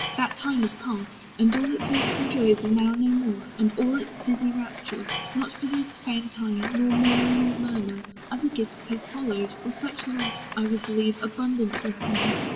That time is past, And all its aching joys are now no more, And all its dizzy raptures. Not for this Faint I, nor mourn nor murmur: other gifts Have followed, for such loss, I would believe, Abundant recompence.